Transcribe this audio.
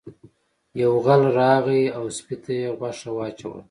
یو غل راغی او سپي ته یې غوښه واچوله.